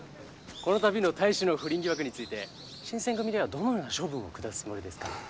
この度の隊士の不倫疑惑について新選組ではどのような処分を下すつもりですか？